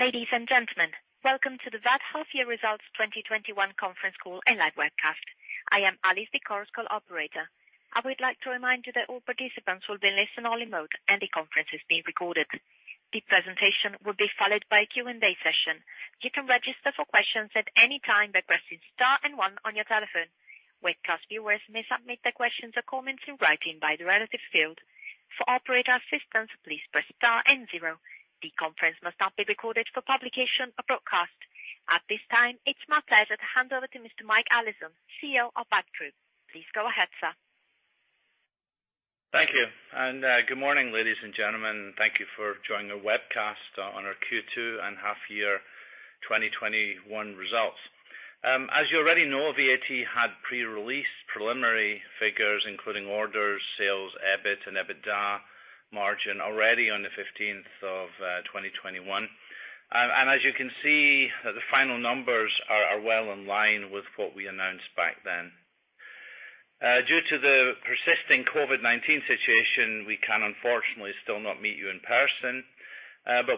Ladies and gentlemen, welcome to the VAT half year results 2021 conference call and live webcast. I am Alice, the conference call operator. I would like to remind you that all participants will be in listen-only mode, and the conference is being recorded. The presentation will be followed by a Q&A session. You can register for questions at any time by pressing star and one on your telephone. Webcast viewers may submit their questions or comments in writing by the relative field. For operator assistance, please press star and zero. The conference must not be recorded for publication or broadcast. At this time, it's my pleasure to hand over to Mr. Mike Allison, CEO of VAT Group. Please go ahead, sir. Thank you. Good morning, ladies and gentlemen. Thank you for joining our webcast on our Q2 and half-year 2021 results. As you already know, VAT had pre-released preliminary figures, including orders, sales, EBIT, and EBITDA margin already on the 15th of 2021. As you can see, the final numbers are well in line with what we announced back then. Due to the persisting COVID-19 situation, we can unfortunately still not meet you in person.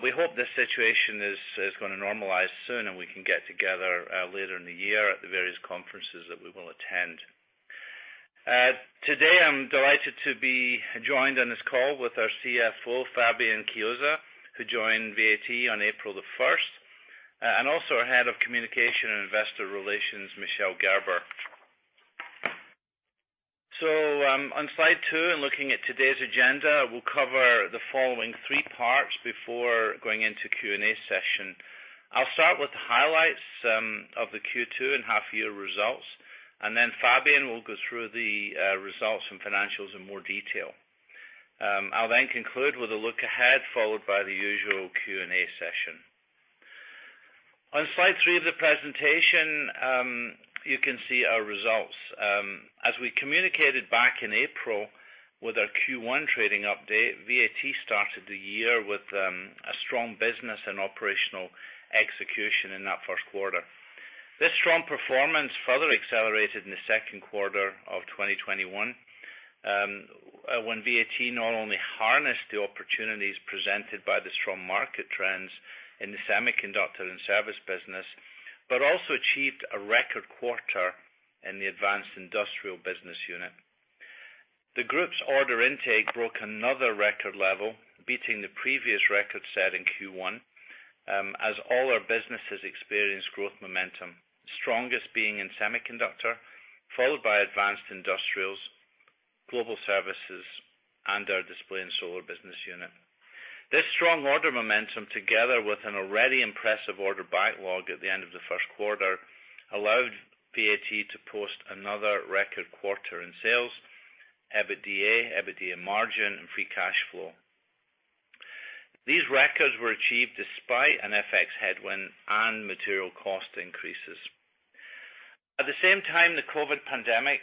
We hope this situation is going to normalize soon, and we can get together later in the year at the various conferences that we will attend. Today, I'm delighted to be joined on this call with our CFO, Fabian Chiozza, who joined VAT on April 1st, and also our Head of Communication and Investor Relations, Michel Gerber. On slide two and looking at today's agenda, we'll cover the following three parts before going into Q&A session. I'll start with the highlights of the Q2 and half year results, and then Fabian will go through the results and financials in more detail. I'll then conclude with a look ahead, followed by the usual Q&A session. On slide three of the presentation, you can see our results. As we communicated back in April with our Q1 trading update, VAT started the year with a strong business and operational execution in that first quarter. This strong performance further accelerated in the second quarter of 2021, when VAT not only harnessed the opportunities presented by the strong market trends in the semiconductor and service business, but also achieved a record quarter in the advanced industrial business unit. The group's order intake broke another record level, beating the previous record set in Q1, as all our businesses experienced growth momentum, strongest being in semiconductor, followed by advanced industrials, global services, and our display and solar business unit. This strong order momentum, together with an already impressive order backlog at the end of the first quarter, allowed VAT to post another record quarter in sales, EBITDA margin, and free cash flow. These records were achieved despite an FX headwind and material cost increases. At the same time, the COVID pandemic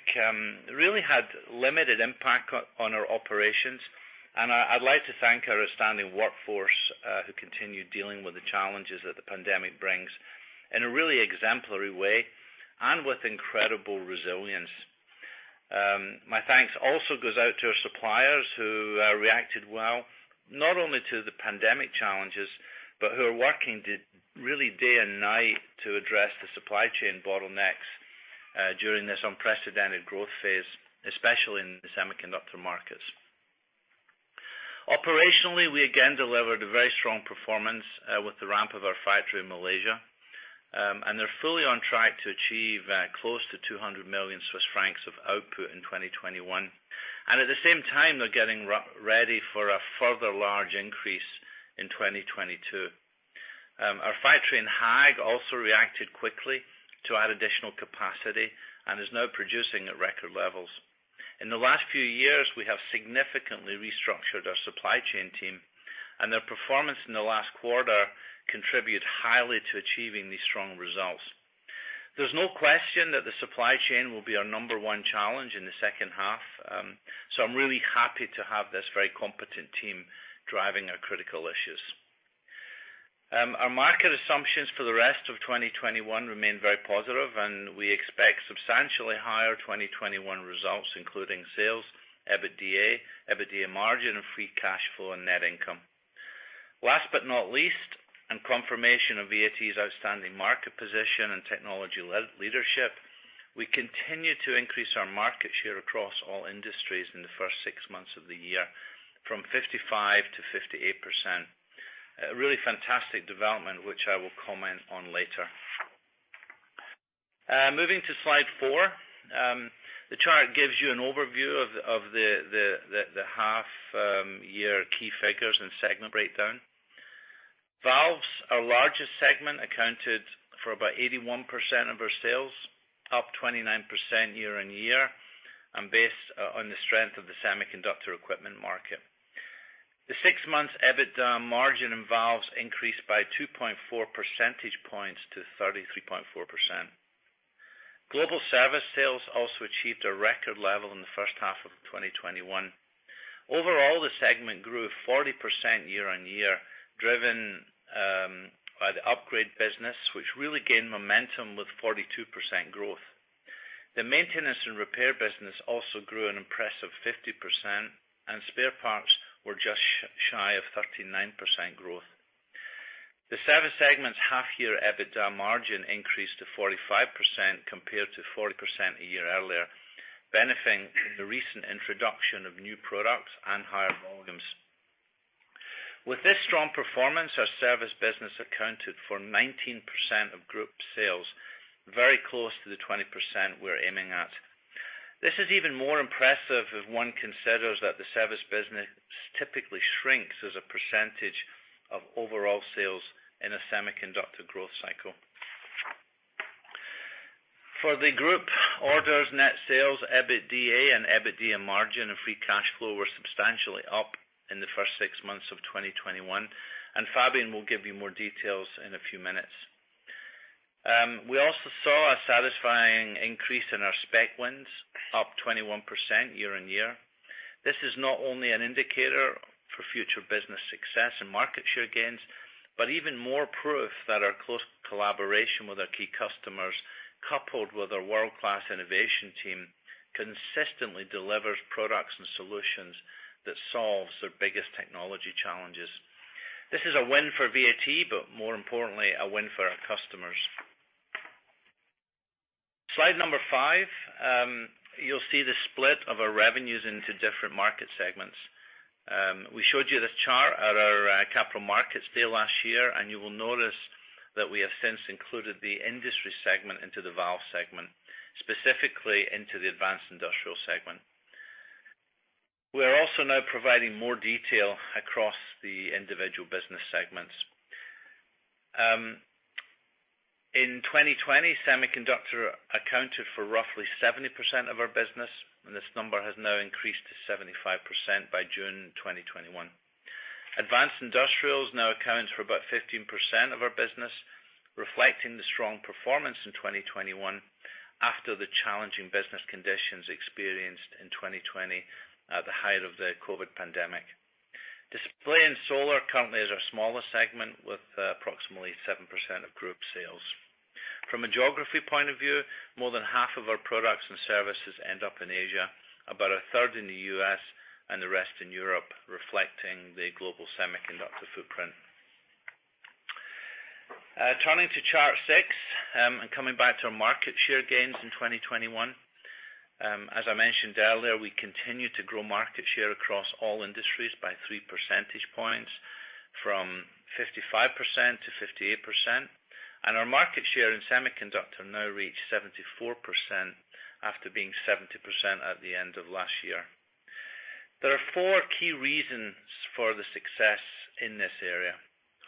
really had limited impact on our operations, and I'd like to thank our outstanding workforce, who continued dealing with the challenges that the pandemic brings in a really exemplary way and with incredible resilience. My thanks also goes out to our suppliers who reacted well, not only to the pandemic challenges, but who are working really day and night to address the supply chain bottlenecks during this unprecedented growth phase, especially in the semiconductor markets. Operationally, we again delivered a very strong performance with the ramp of our factory in Malaysia, They're fully on track to achieve close to 200 million Swiss francs of output in 2021. At the same time, they're getting ready for a further large increase in 2022. Our factory in Haag also reacted quickly to add additional capacity and is now producing at record levels. In the last few years, we have significantly restructured our supply chain team, their performance in the last quarter contribute highly to achieving these strong results. There's no question that the supply chain will be our number one challenge in the second half, so I'm really happy to have this very competent team driving our critical issues. Our market assumptions for the rest of 2021 remain very positive, and we expect substantially higher 2021 results, including sales, EBITDA margin, and free cash flow and net income. Last but not least, and confirmation of VAT's outstanding market position and technology leadership, we continue to increase our market share across all industries in the first six months of the year, from 55% to 58%. A really fantastic development, which I will comment on later. Moving to slide four, the chart gives you an overview of the half-year key figures and segment breakdown. Valves, our largest segment, accounted for about 81% of our sales, up 29% year-on-year, and based on the strength of the semiconductor equipment market. The six months EBITDA margin in valves increased by 2.4 percentage points to 33.4%. Global Service sales also achieved a record level in the first half of 2021. Overall, the segment grew 40% year-on-year, driven by the upgrade business, which really gained momentum with 42% growth. The maintenance and repair business also grew an impressive 50%, and spare parts were just shy of 39% growth. The Service segment's half-year EBITDA margin increased to 45% compared to 40% a year earlier, benefiting from the recent introduction of new products and higher volumes. With this strong performance, our Service business accounted for 19% of group sales, very close to the 20% we're aiming at. This is even more impressive if one considers that the service business typically shrinks as a percentage of overall sales in a semiconductor growth cycle. For the group, orders, net sales, EBITDA and EBITDA margin, and free cash flow were substantially up in the first six months of 2021. Fabian will give you more details in a few minutes. We also saw a satisfying increase in our spec wins, up 21% year-on-year. This is not only an indicator for future business success and market share gains, but even more proof that our close collaboration with our key customers, coupled with our world-class innovation team, consistently delivers products and solutions that solves their biggest technology challenges. This is a win for VAT. More importantly, a win for our customers. Slide number five, you'll see the split of our revenues into different market segments. We showed you this chart at our Capital Markets Day last year, and you will notice that we have since included the industry segment into the valve segment, specifically into the advanced industrial segment. We are also now providing more detail across the individual business segments. In 2020, semiconductor accounted for roughly 70% of our business, and this number has now increased to 75% by June 2021. Advanced industrials now account for about 15% of our business, reflecting the strong performance in 2021 after the challenging business conditions experienced in 2020 at the height of the COVID-19 pandemic. Display and solar currently is our smallest segment, with approximately 7% of group sales. From a geography point of view, more than half of our products and services end up in Asia, about a third in the U.S., and the rest in Europe, reflecting the global semiconductor footprint. Turning to chart six, coming back to our market share gains in 2021. As I mentioned earlier, we continue to grow market share across all industries by 3 percentage points from 55% to 58%. Our market share in semiconductor now reached 74% after being 70% at the end of last year. There are four key reasons for the success in this area.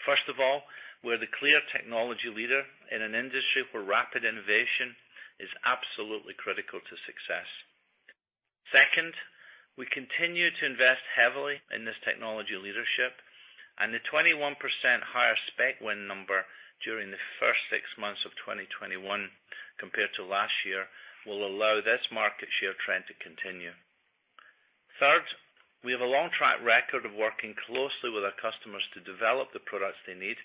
First of all, we're the clear technology leader in an industry where rapid innovation is absolutely critical to success. Second, we continue to invest heavily in this technology leadership, the 21% higher spec win number during the first six months of 2021 compared to last year will allow this market share trend to continue. Third, we have a long track record of working closely with our customers to develop the products they need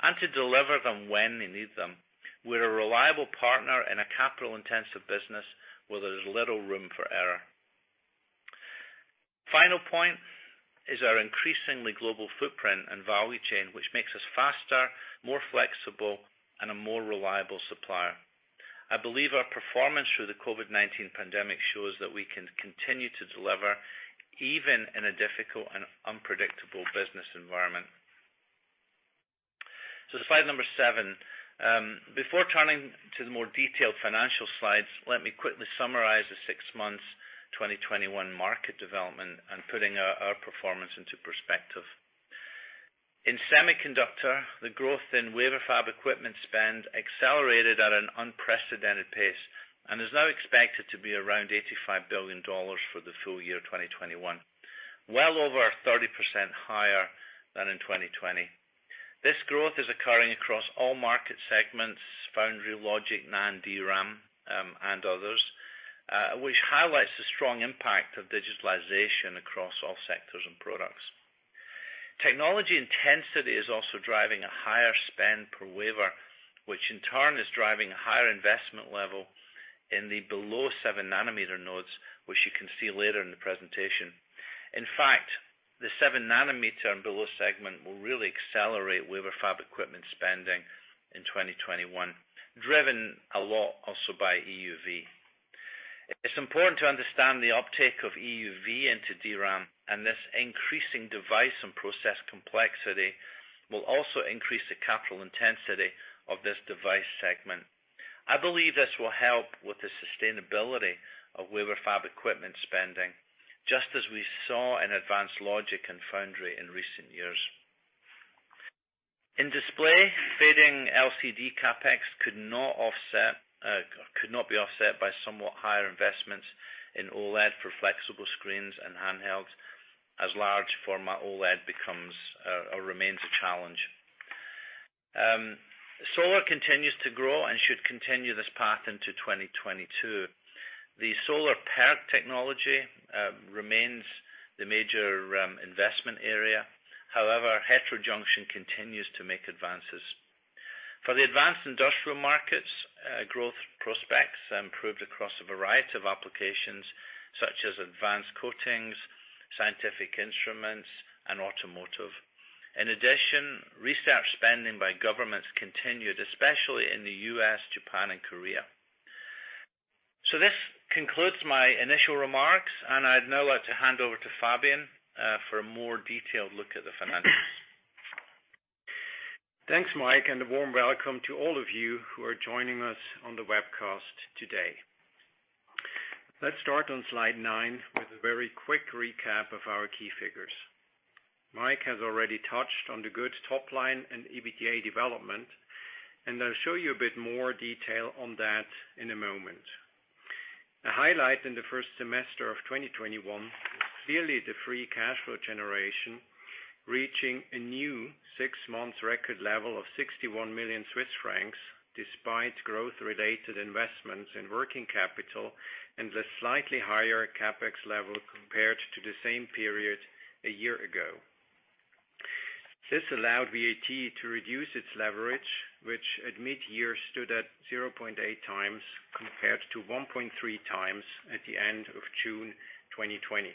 and to deliver them when they need them. We're a reliable partner in a capital-intensive business where there's little room for error. Final point is our increasingly global footprint and value chain, which makes us faster, more flexible, and a more reliable supplier. I believe our performance through the COVID-19 pandemic shows that we can continue to deliver even in a difficult and unpredictable business environment. Slide number seven. Before turning to the more detailed financial slides, let me quickly summarize the six months 2021 market development and putting our performance into perspective. In semiconductor, the growth in wafer fab equipment spend accelerated at an unprecedented pace and is now expected to be around $85 billion for the full year 2021, well over 30% higher than in 2020. This growth is occurring across all market segments, foundry, logic, NAND, DRAM, and others, which highlights the strong impact of digitalization across all sectors and products. Technology intensity is also driving a higher spend per wafer, which in turn is driving a higher investment level in the below 7 nm nodes, which you can see later in the presentation. In fact, the 7 nm and below segment will really accelerate wafer fab equipment spending in 2021, driven a lot also by EUV. It is important to understand the uptake of EUV into DRAM, and this increasing device and process complexity will also increase the capital intensity of this device segment. I believe this will help with the sustainability of wafer fab equipment spending, just as we saw in advanced logic and foundry in recent years. In display, fading LCD CapEx could not be offset by somewhat higher investments in OLED for flexible screens and handhelds, as large format OLED becomes or remains a challenge. Solar continues to grow and should continue this path into 2022. The solar PERC technology remains the major investment area. However, heterojunction continues to make advances. For the advanced industrial markets, growth prospects improved across a variety of applications such as advanced coatings, scientific instruments, and automotive. In addition, research spending by governments continued, especially in the U.S., Japan, and Korea. This concludes my initial remarks, and I'd now like to hand over to Fabian for a more detailed look at the financials. Thanks, Mike, and a warm welcome to all of you who are joining us on the webcast today. Let's start on slide nine with a very quick recap of our key figures. Mike has already touched on the good top line and EBITDA development. I'll show you a bit more detail on that in a moment. The highlight in the first semester of 2021 is clearly the free cash flow generation, reaching a new six-month record level of 61 million Swiss francs despite growth-related investments in working capital and a slightly higher CapEx level compared to the same period a year ago. This allowed VAT to reduce its leverage, which at mid-year stood at 0.8x, compared to 1.3x at the end of June 2020.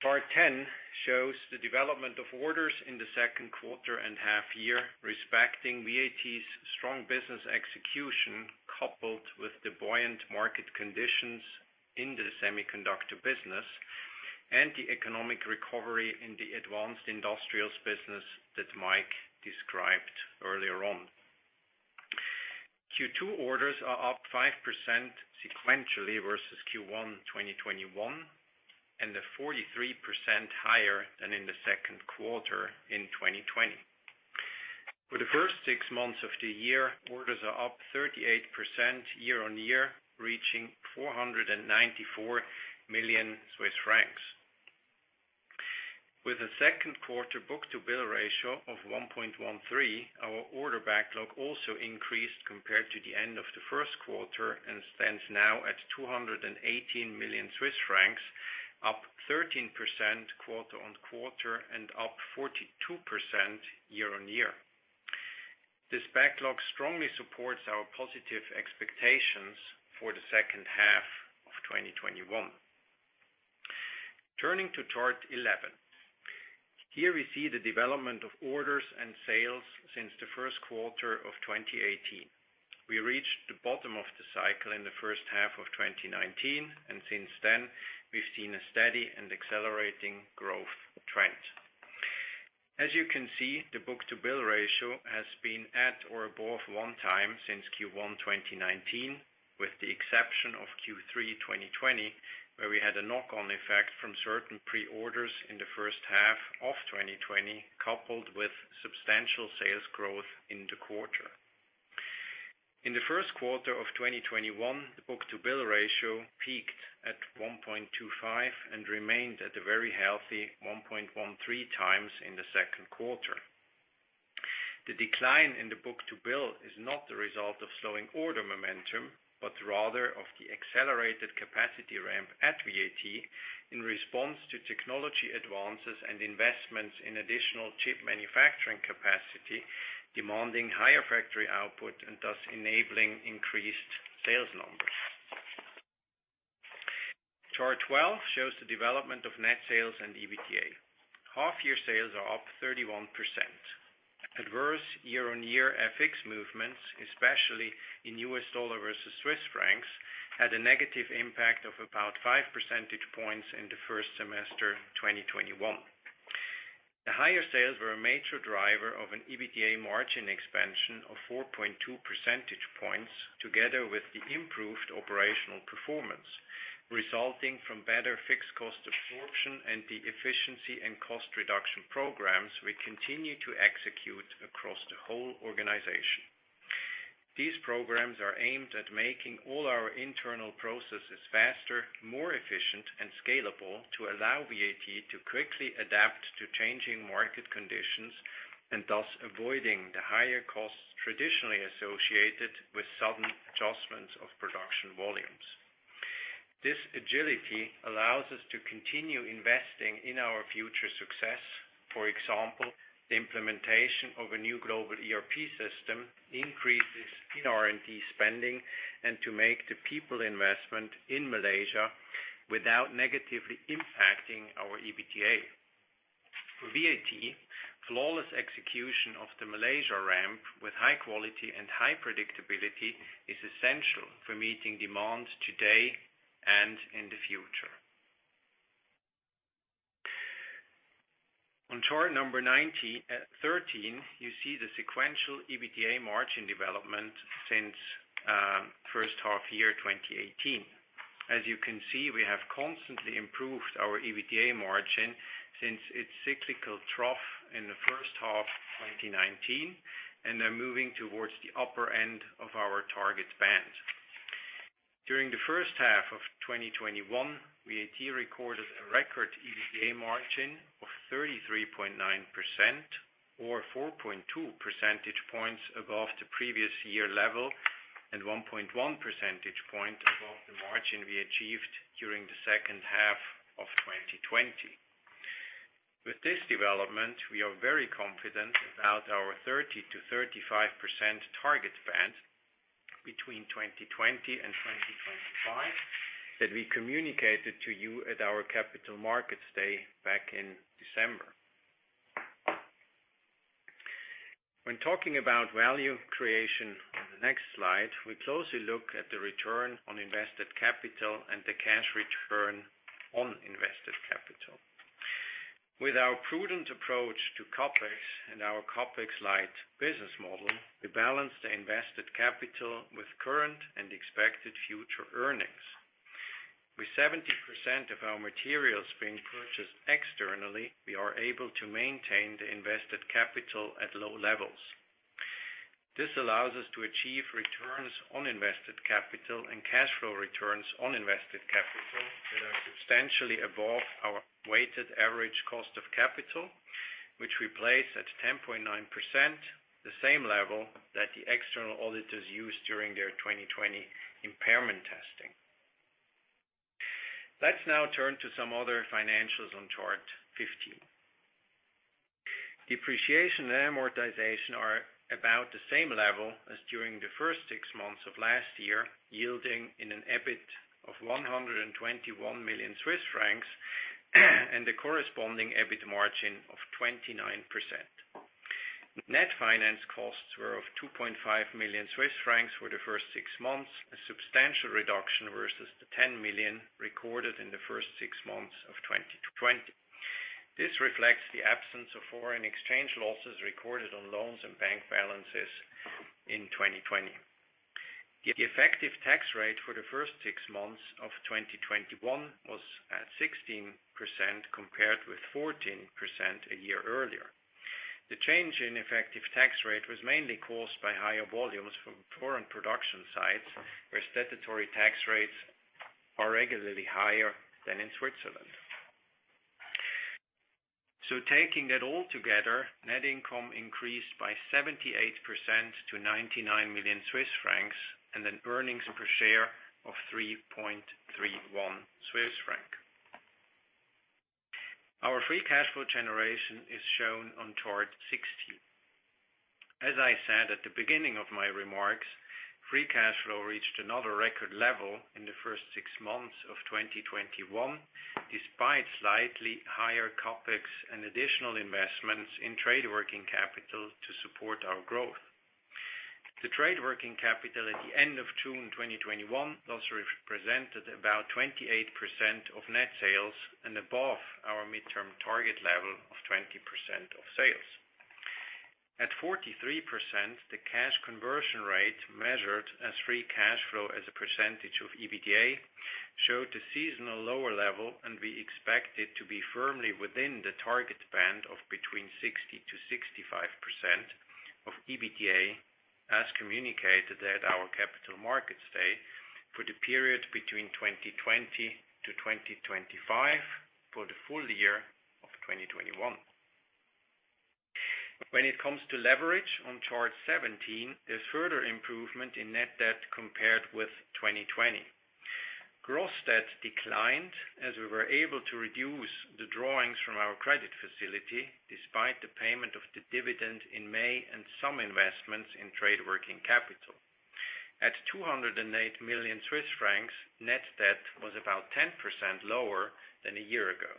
Chart 10 shows the development of orders in the second quarter and half year, respecting VAT's strong business execution, coupled with the buoyant market conditions in the semiconductor business and the economic recovery in the advanced industrials business that Mike described earlier on. Q2 orders are up 5% sequentially versus Q1 2021, and they're 43% higher than in the second quarter in 2020. For the first six months of the year, orders are up 38% year-on-year, reaching 494 million Swiss francs. With a second quarter book-to-bill ratio of 1.13, our order backlog also increased compared to the end of the first quarter and stands now at 218 million Swiss francs, up 13% quarter-on-quarter and up 42% year-on-year. This backlog strongly supports our positive expectations for the second half of 2021. Turning to Chart 11. Here we see the development of orders and sales since the first quarter of 2018. We reached the bottom of the cycle in the first half of 2019, and since then, we've seen a steady and accelerating growth trend. As you can see, the book-to-bill ratio has been at or above 1x since Q1 2019, with the exception of Q3 2020, where we had a knock-on effect from certain pre-orders in the first half of 2020, coupled with substantial sales growth in the quarter. In the first quarter of 2021, the book-to-bill ratio peaked at 1.25 and remained at a very healthy 1.13x in the second quarter. The decline in the book-to-bill is not the result of slowing order momentum, but rather of the accelerated capacity ramp at VAT in response to technology advances and investments in additional chip manufacturing capacity, demanding higher factory output and thus enabling increased sales numbers. Chart 12 shows the development of net sales and EBITDA. Half-year sales are up 31%. Adverse year-on-year FX movements, especially in U.S. dollar versus Swiss francs, had a negative impact of about 5 percentage points in the first semester 2021. The higher sales were a major driver of an EBITDA margin expansion of 4.2 percentage points, together with the improved operational performance resulting from better fixed cost absorption and the efficiency and cost reduction programs we continue to execute across the whole organization. These programs are aimed at making all our internal processes faster, more efficient, and scalable to allow VAT to quickly adapt to changing market conditions, and thus avoiding the higher costs traditionally associated with sudden adjustments of production volumes. This agility allows us to continue investing in our future success. For example, the implementation of a new global ERP system, increases in R&D spending, and to make the people investment in Malaysia without negatively impacting our EBITDA. For VAT, flawless execution of the Malaysia ramp with high quality and high predictability is essential for meeting demands today and in the future. On chart number 13, you see the sequential EBITDA margin development since first half year 2018. As you can see, we have constantly improved our EBITDA margin since its cyclical trough in the first half of 2019, and are moving towards the upper end of our target band. During the first half of 2021, VAT recorded a record EBITDA margin of 33.9%, or 4.2 percentage points above the previous year level. 1.1 percentage point above the margin we achieved during the second half of 2020. With this development, we are very confident about our 30%-35% target band between 2020 and 2025 that we communicated to you at our Capital Markets Day back in December. When talking about value creation on the next slide, we closely look at the Return on Invested Capital and the Cash Return on Invested Capital. With our prudent approach to CapEx and our CapEx-light business model, we balance the invested capital with current and expected future earnings. With 70% of our materials being purchased externally, we are able to maintain the invested capital at low levels. This allows us to achieve Return on Invested Capital and Cash Return on Invested Capital that are substantially above our Weighted Average Cost of Capital, which we place at 10.9%, the same level that the external auditors used during their 2020 impairment testing. Let's now turn to some other financials on Chart 15. Depreciation and amortization are about the same level as during the first six months of last year, yielding in an EBIT of 121 million Swiss francs and a corresponding EBIT margin of 29%. Net finance costs were of 2.5 million Swiss francs for the first six months, a substantial reduction versus the 10 million recorded in the first six months of 2020. This reflects the absence of foreign exchange losses recorded on loans and bank balances in 2020. The effective tax rate for the first six months of 2021 was at 16%, compared with 14% a year earlier. The change in effective tax rate was mainly caused by higher volumes from foreign production sites, where statutory tax rates are regularly higher than in Switzerland. Taking that all together, net income increased by 78% to 99 million Swiss francs, and an earnings per share of 3.31 Swiss franc. Our free cash flow generation is shown on Chart 16. As I said at the beginning of my remarks, free cash flow reached another record level in the first six months of 2021, despite slightly higher CapEx and additional investments in trade working capital to support our growth. The trade working capital at the end of June 2021 thus represented about 28% of net sales and above our midterm target level of 20% of sales. At 43%, the cash conversion rate, measured as free cash flow as a percentage of EBITDA, showed a seasonal lower level, and we expect it to be firmly within the target band of between 60%-65% of EBITDA, as communicated at our Capital Markets Day, for the period between 2020-2025 for the full year of 2021. When it comes to leverage on Chart 17, there's further improvement in net debt compared with 2020. Gross debt declined as we were able to reduce the drawings from our credit facility, despite the payment of the dividend in May and some investments in trade working capital. At 208 million Swiss francs, net debt was about 10% lower than a year ago.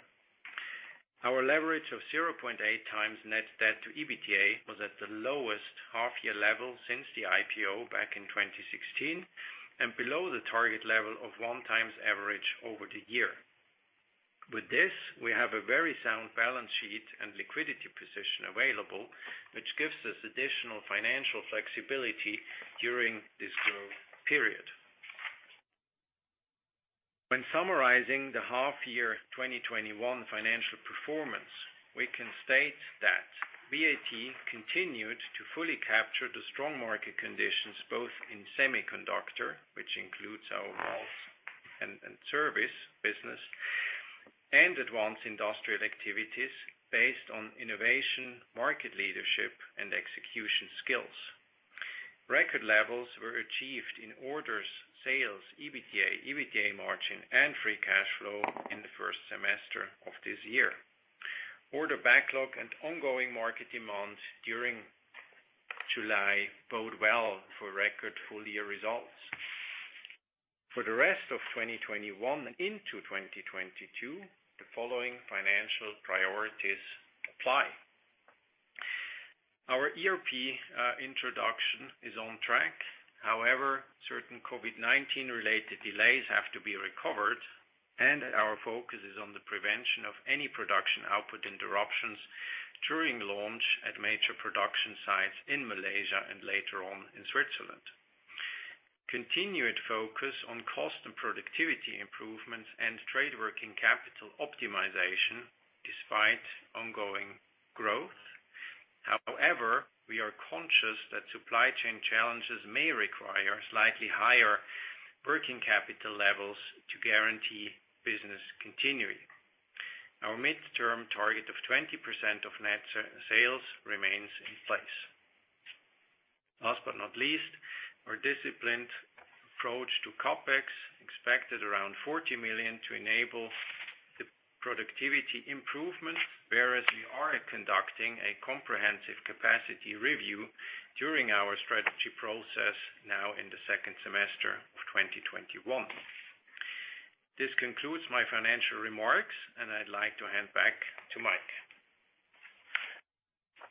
Our leverage of 0.8x net debt to EBITDA was at the lowest half-year level since the IPO back in 2016 and below the target level of 1x average over the year. With this, we have a very sound balance sheet and liquidity position available, which gives us additional financial flexibility during this growth period. When summarizing the half-year 2021 financial performance, we can state that VAT continued to fully capture the strong market conditions both in semiconductor, which includes our WFE and service business, and advanced industrial activities based on innovation, market leadership, and execution skills. Record levels were achieved in orders, sales, EBITDA margin, and free cash flow in the first semester of this year. Order backlog and ongoing market demand during July bode well for record full-year results. For the rest of 2021 into 2022, the following financial priorities apply. Our ERP introduction is on track. However, certain COVID-19 related delays have to be recovered, and our focus is on the prevention of any production output interruptions during launch at major production sites in Malaysia and later on in Switzerland. Continued focus on cost and productivity improvements and trade working capital optimization despite ongoing growth. However, we are conscious that supply chain challenges may require slightly higher working capital levels to guarantee business continuity. Our midterm target of 20% of net sales remains in place. Last but not least, our disciplined approach to CapEx expected around 40 million to enable the productivity improvement, whereas we are conducting a comprehensive capacity review during our strategy process now in the second semester of 2021. This concludes my financial remarks, and I'd like to hand back to Mike.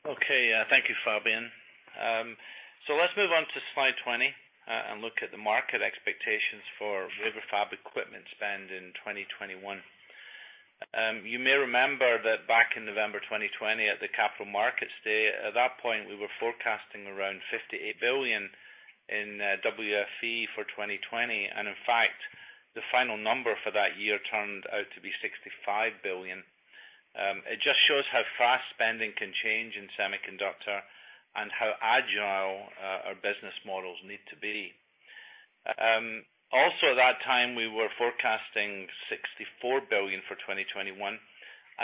Okay. Thank you, Fabian. Let's move on to slide 20 and look at the market expectations for wafer fab equipment spend in 2021. You may remember that back in November 2020 at the Capital Markets Day, at that point, we were forecasting around $58 billion in WFE for 2020. In fact, the final number for that year turned out to be $65 billion. It just shows how fast spending can change in semiconductor and how agile our business models need to be. At that time, we were forecasting $64 billion for 2021,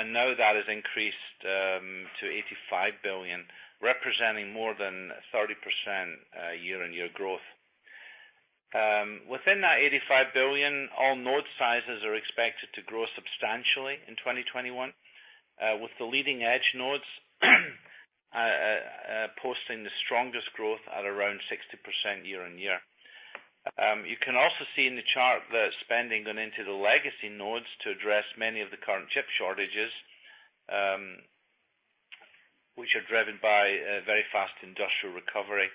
now that has increased to $85 billion, representing more than 30% year-on-year growth. Within that $85 billion, all node sizes are expected to grow substantially in 2021. With the leading-edge nodes posting the strongest growth at around 60% year-on-year. You can also see in the chart that spending going into the legacy nodes to address many of the current chip shortages, which are driven by a very fast industrial recovery.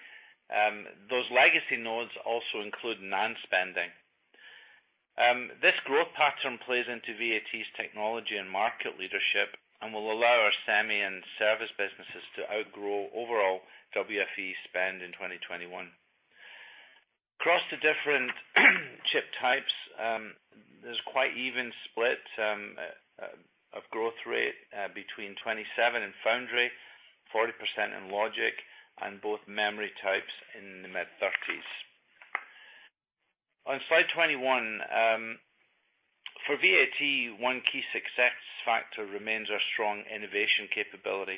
Those legacy nodes also include NAND spending. This growth pattern plays into VAT's technology and market leadership and will allow our semi and service businesses to outgrow overall WFE spend in 2021. Across the different chip types, there's quite even split of growth rate between 27% in foundry, 40% in logic, and both memory types in the mid-30%s. On slide 21, for VAT, one key success factor remains our strong innovation capability,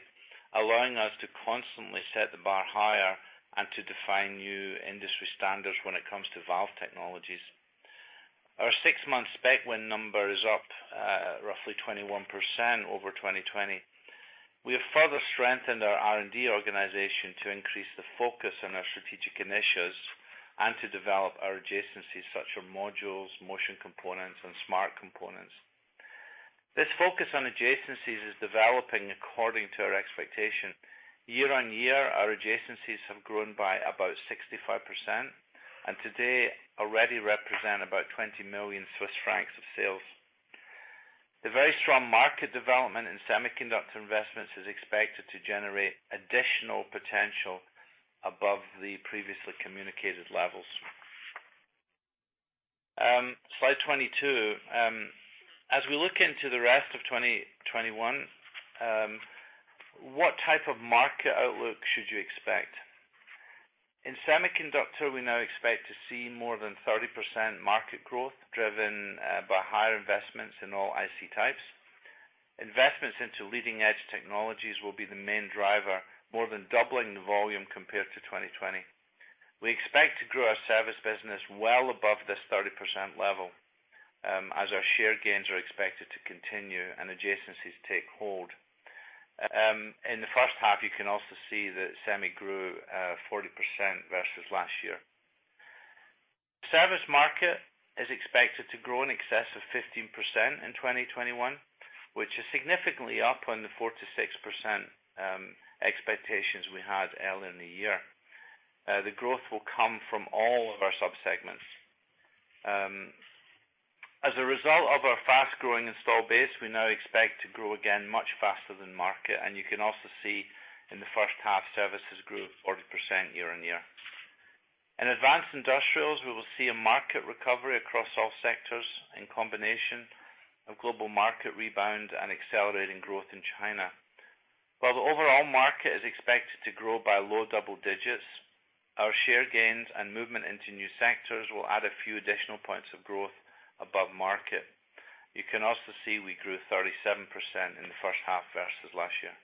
allowing us to constantly set the bar higher and to define new industry standards when it comes to valve technologies. Our six-month spec win number is up roughly 21% over 2020. We have further strengthened our R&D organization to increase the focus on our strategic initiatives and to develop our adjacencies such as modules, motion components, and smart components. This focus on adjacencies is developing according to our expectation. year-on-year, our adjacencies have grown by about 65% and today already represent about 20 million Swiss francs of sales. The very strong market development in semiconductor investments is expected to generate additional potential above the previously communicated levels. Slide 22. As we look into the rest of 2021, what type of market outlook should you expect? In semiconductor, we now expect to see more than 30% market growth, driven by higher investments in all IC types. Investments into leading-edge technologies will be the main driver, more than doubling the volume compared to 2020. We expect to grow our service business well above this 30% level, as our share gains are expected to continue and adjacencies take hold. In the first half, you can also see that semi grew 40% versus last year. Service market is expected to grow in excess of 15% in 2021, which is significantly up on the 4%-6% expectations we had earlier in the year. The growth will come from all of our subsegments. As a result of our fast-growing installed base, we now expect to grow again much faster than market. You can also see in the first half, services grew 40% year-on-year. In advanced industrials, we will see a market recovery across all sectors in combination of global market rebound and accelerating growth in China. While the overall market is expected to grow by low double digits, our share gains and movement into new sectors will add a few additional points of growth above market. You can also see we grew 37% in the first half versus last year.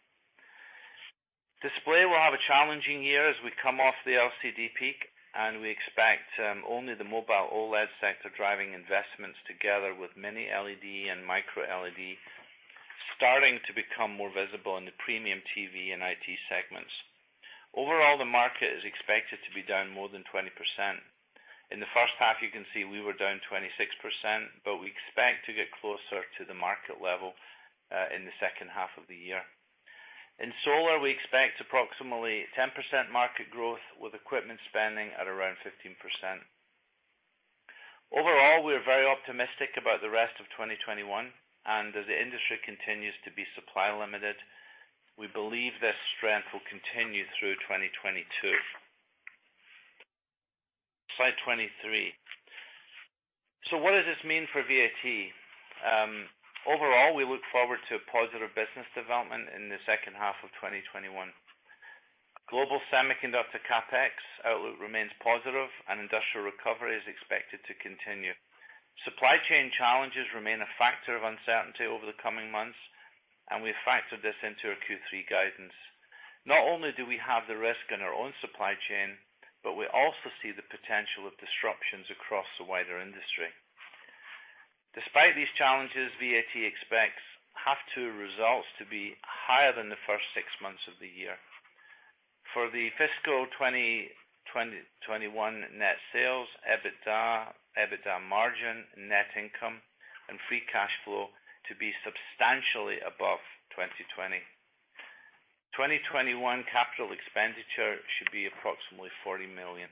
Display will have a challenging year as we come off the LCD peak, and we expect only the mobile OLED sector driving investments together with Mini LED and MicroLED starting to become more visible in the premium TV and IT segments. Overall, the market is expected to be down more than 20%. In the first half, you can see we were down 26%, but we expect to get closer to the market level in the second half of the year. In solar, we expect approximately 10% market growth, with equipment spending at around 15%. Overall, we are very optimistic about the rest of 2021, and as the industry continues to be supply limited, we believe this strength will continue through 2022. Slide 23. What does this mean for VAT? Overall, we look forward to positive business development in the second half of 2021. Global semiconductor CapEx outlook remains positive and industrial recovery is expected to continue. Supply chain challenges remain a factor of uncertainty over the coming months, and we have factored this into our Q3 guidance. Not only do we have the risk in our own supply chain, but we also see the potential of disruptions across the wider industry. Despite these challenges, VAT expects half two results to be higher than the first six months of the year. For the fiscal 2021 net sales, EBITDA margin, net income and free cash flow to be substantially above 2020. 2021 capital expenditure should be approximately 40 million.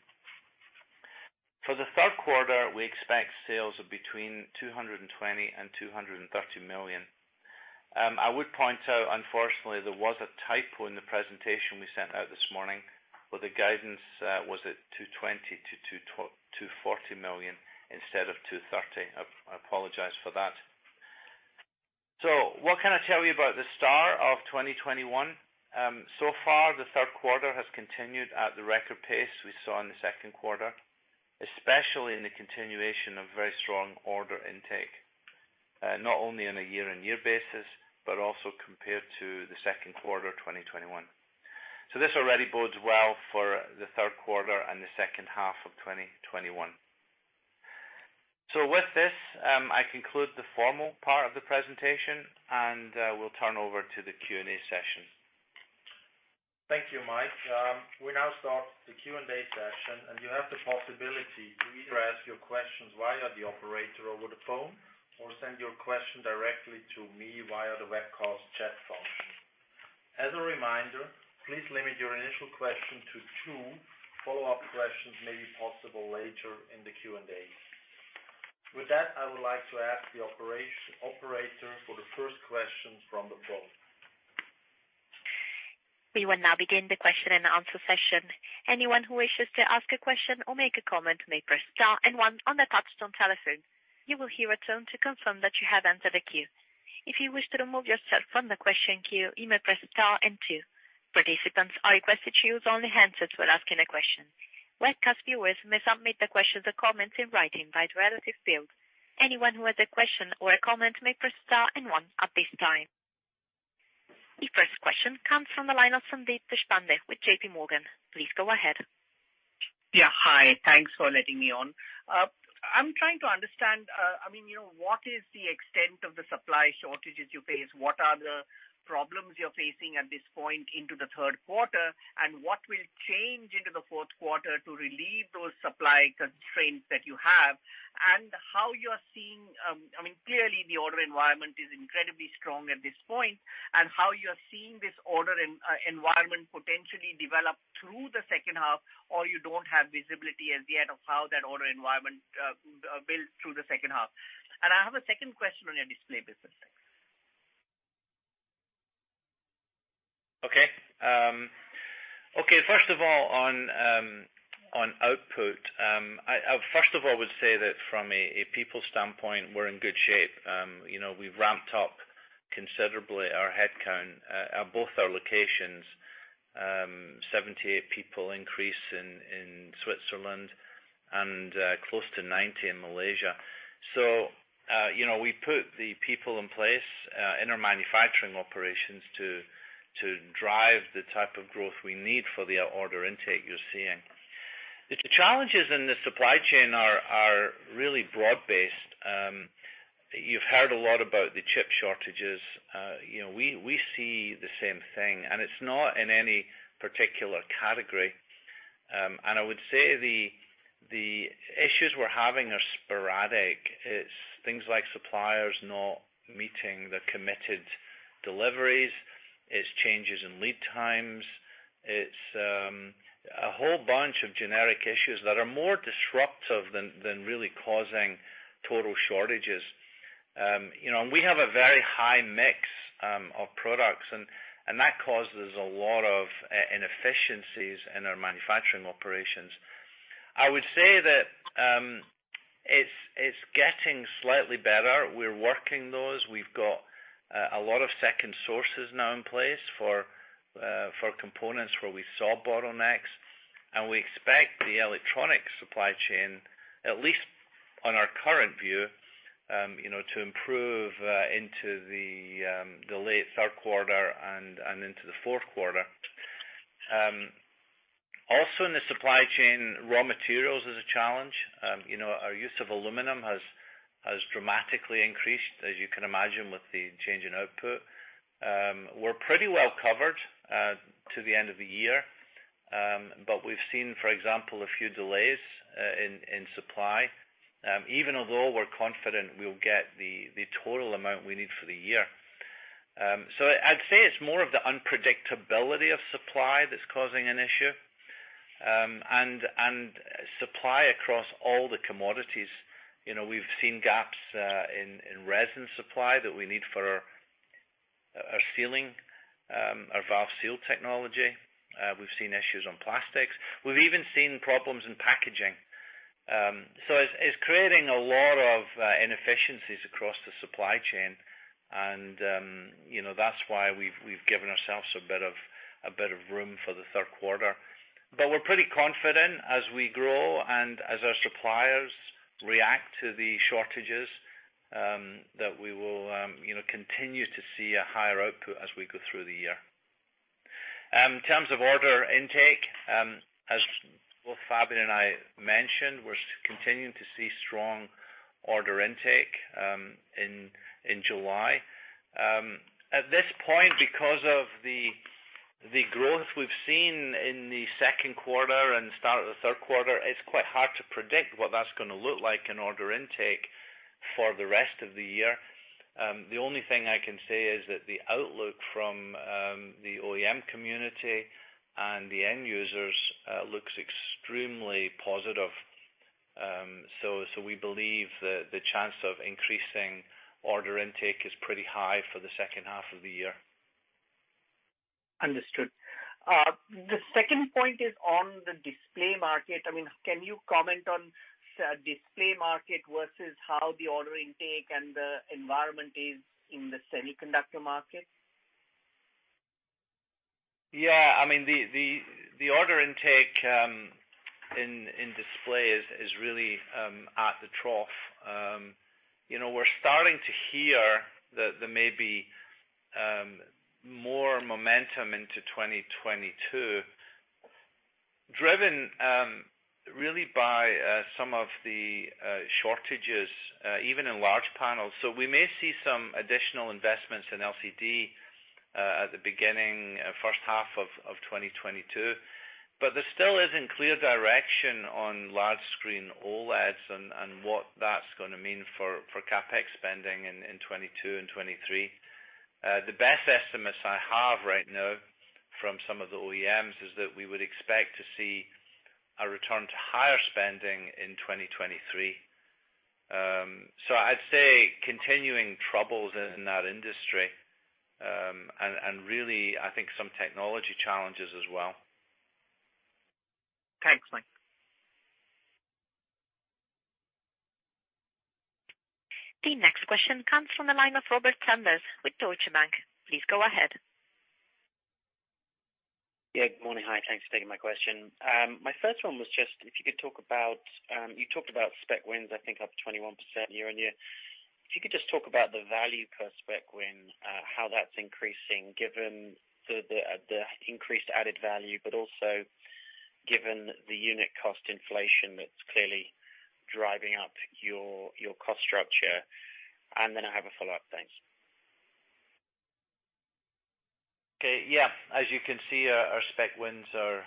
For the third quarter, we expect sales of between 220 million and 230 million. I would point out, unfortunately, there was a typo in the presentation we sent out this morning, where the guidance was at 220 million-240 million instead of 230 million. I apologize for that. What can I tell you about the start of 2021? So far, the third quarter has continued at the record pace we saw in the second quarter, especially in the continuation of very strong order intake, not only on a year-on-year basis, but also compared to the second quarter 2021. This already bodes well for the third quarter and the second half of 2021. With this, I conclude the formal part of the presentation, and we'll turn over to the Q&A session. Thank you, Mike. We now start the Q&A session, and you have the possibility to either ask your questions via the operator over the phone or send your question directly to me via the webcast chat function. As a reminder, please limit your initial question to two. Follow-up questions may be possible later in the Q&A. With that, I would like to ask the operator for the first question from the phone. We will now begin the question and answer session. Anyone who wishes to ask a question or make a comment may press star and one on the touchtone telephone. You will hear a tone to confirm that you have entered a queue. If you wish to remove yourself from the question queue, you may press star and two. Participants are requested to use only handsets when asking a question. Webcast viewers may submit their questions or comments in writing via the relative field. Anyone who has a question or a comment may press star and one at this time. The first question comes from the line of Sandeep Deshpande with JPMorgan. Please go ahead. Yeah. Hi. Thanks for letting me on. I'm trying to understand, what is the extent of the supply shortages you face? What are the problems you're facing at this point into the third quarter, and what will change into the fourth quarter to relieve those supply constraints that you have? Clearly the order environment is incredibly strong at this point, and how you are seeing this order environment potentially develop through the second half, or you don't have visibility as yet of how that order environment builds through the second half. I have a second question on your display business. Thanks. Okay. First of all, on output. I first of all would say that from a people standpoint, we're in good shape. We've ramped up considerably our headcount at both our locations. 78 people increase in Switzerland and close to 90 in Malaysia. We put the people in place in our manufacturing operations to drive the type of growth we need for the order intake you're seeing. The challenges in the supply chain are really broad-based. You've heard a lot about the chip shortages. We see the same thing, and it's not in any particular category. I would say the issues we're having are sporadic. It's things like suppliers not meeting the committed deliveries. It's changes in lead times. It's a whole bunch of generic issues that are more disruptive than really causing total shortages. We have a very high mix of products, and that causes a lot of inefficiencies in our manufacturing operations. I would say that it's getting slightly better. We're working those. We've got a lot of second sources now in place for components where we saw bottlenecks, and we expect the electronic supply chain, at least on our current view, to improve into the late third quarter and into the fourth quarter. In the supply chain, raw materials is a challenge. Our use of aluminum has dramatically increased, as you can imagine, with the change in output. We're pretty well covered to the end of the year. We've seen, for example, a few delays in supply, even although we're confident we'll get the total amount we need for the year. I'd say it's more of the unpredictability of supply that's causing an issue, and supply across all the commodities. We've seen gaps in resin supply that we need for our sealing, our valve seal technology. We've seen issues on plastics. We've even seen problems in packaging. It's creating a lot of inefficiencies across the supply chain. That's why we've given ourselves a bit of room for the third quarter. We're pretty confident as we grow and as our suppliers react to the shortages, that we will continue to see a higher output as we go through the year. In terms of order intake, as both Fabian Chiozza and I mentioned, we're continuing to see strong order intake in July. At this point, because of the growth we've seen in the second quarter and start of the third quarter, it's quite hard to predict what that's going to look like in order intake for the rest of the year. The only thing I can say is that the outlook from the OEM community and the end users looks extremely positive. We believe that the chance of increasing order intake is pretty high for the second half of the year. Understood. The second point is on the display market. Can you comment on display market versus how the order intake and the environment is in the semiconductor market? Yeah. The order intake in display is really at the trough. We're starting to hear that there may be more momentum into 2022, driven really by some of the shortages, even in large panels. We may see some additional investments in LCD at the beginning first half of 2022. There still isn't clear direction on large screen OLEDs and what that's going to mean for CapEx spending in 2022 and 2023. The best estimates I have right now from some of the OEMs is that we would expect to see a return to higher spending in 2023. I'd say continuing troubles in that industry, and really, I think some technology challenges as well. Thanks, Mike. The next question comes from the line of Robert Sanders with Deutsche Bank. Please go ahead. Yeah, good morning. Hi, thanks for taking my question. My first one was just if you could talk about, you talked about spec wins, I think up 21% year-on-year. If you could just talk about the value per spec win, how that's increasing given the increased added value, but also given the unit cost inflation that's clearly driving up your cost structure. Then I have a follow-up. Thanks. As you can see, our spec wins are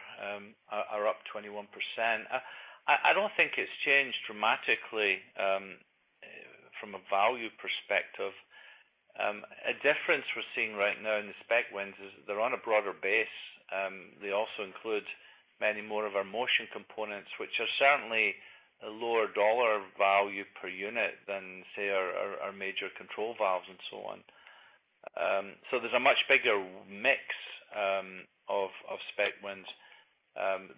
up 201%. I don't think it's changed dramatically from a value perspective. A difference we're seeing right now in the spec wins is they're on a broader base. They also include many more of our motion components, which are certainly a lower dollar value per unit than, say, our major control valves and so on. There's a much bigger mix of spec wins.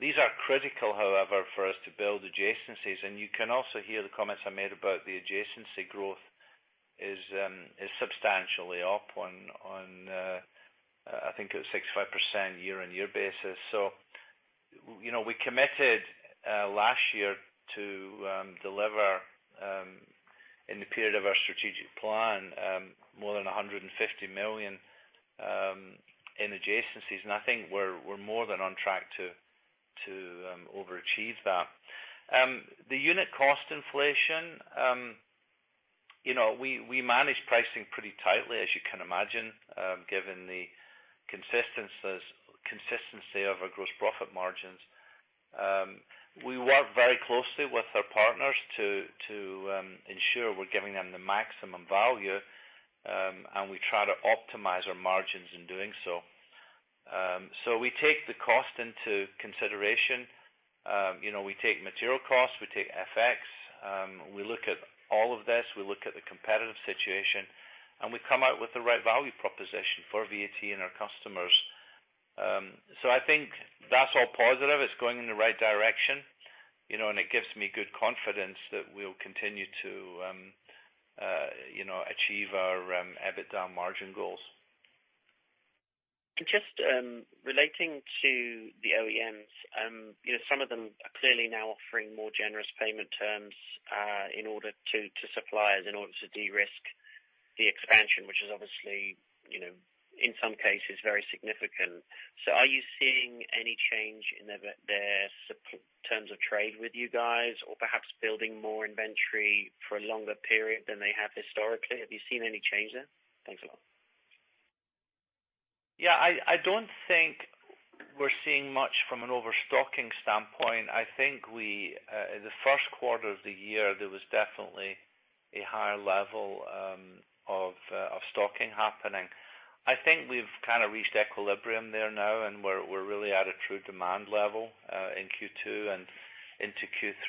These are critical, however, for us to build adjacencies. You can also hear the comments I made about the adjacency growth is substantially up on, I think it was 65% year-on-year basis. We committed last year to deliver, in the period of our strategic plan, more than 150 million in adjacencies. I think we're more than on track to overachieve that. The unit cost inflation, we manage pricing pretty tightly, as you can imagine, given the consistency of our gross profit margins. We work very closely with our partners to ensure we're giving them the maximum value, and we try to optimize our margins in doing so. We take the cost into consideration. We take material costs. We take FX. We look at all of this. We look at the competitive situation, and we come out with the right value proposition for VAT and our customers. I think that's all positive. It's going in the right direction, and it gives me good confidence that we'll continue to achieve our EBITDA margin goals. Just relating to the OEMs, some of them are clearly now offering more generous payment terms to suppliers in order to de-risk the expansion, which is obviously, in some cases, very significant. Are you seeing any change in their terms of trade with you guys? Or perhaps building more inventory for a longer period than they have historically? Have you seen any change there? Thanks a lot. Yeah, I don't think we're seeing much from an overstocking standpoint. I think in the first quarter of the year, there was definitely a higher level of stocking happening. I think we've kind of reached equilibrium there now, and we're really at a true demand level in Q2 and into Q3.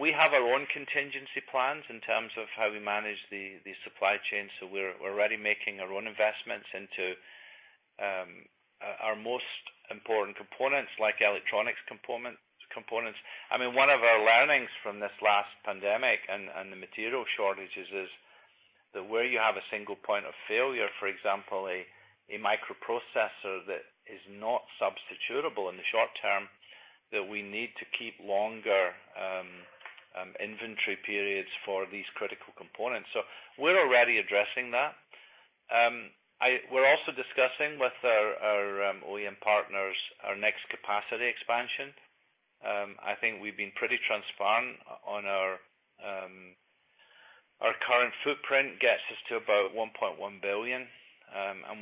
We have our own contingency plans in terms of how we manage the supply chain. We're already making our own investments into our most important components, like electronics components. One of our learnings from this last pandemic and the material shortages is that where you have a single point of failure, for example, a microprocessor that is not substitutable in the short term, that we need to keep longer inventory periods for these critical components. We're already addressing that. We're also discussing with our OEM partners our next capacity expansion. I think we've been pretty transparent on our current footprint gets us to about 1.1 billion.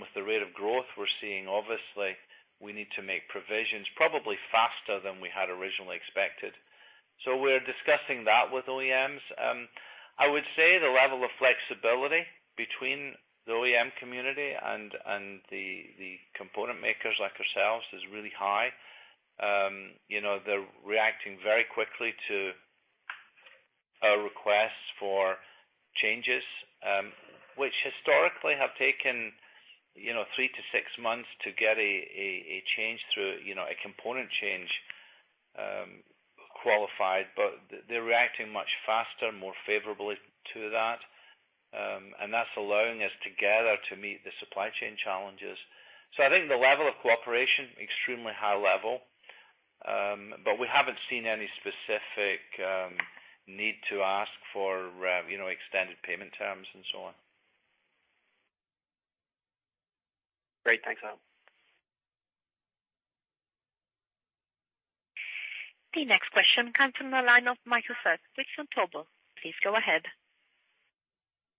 With the rate of growth we're seeing, obviously, we need to make provisions probably faster than we had originally expected. We're discussing that with OEMs. I would say the level of flexibility between the OEM community and the component makers like ourselves is really high. They're reacting very quickly to our requests for changes, which historically have taken three to six months to get a component change qualified. They're reacting much faster, more favorably to that. That's allowing us together to meet the supply chain challenges. I think the level of cooperation, extremely high level. We haven't seen any specific need to ask for extended payment terms and so on. Great. Thanks, Mike. The next question comes from the line of Michael Foeth with Vontobel. Please go ahead.